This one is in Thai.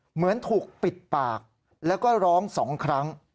เหมือนถูกปิดปากแล้วก็ร้อง๒ครั้ง